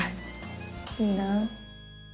いいなあ。